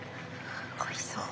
おいしそう。